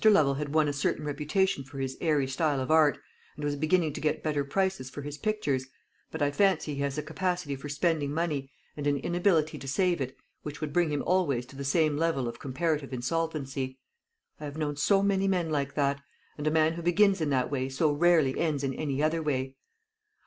Lovel had won a certain reputation for his airy style of art, and was beginning to get better prices for his pictures; but I fancy he has a capacity for spending money, and an inability to save it, which would bring him always to the same level of comparative insolvency. I have known so many men like that; and a man who begins in that way so rarely ends in any other way."